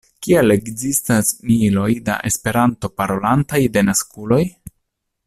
Kial ekzistas miloj da Esperanto-parolantaj denaskuloj?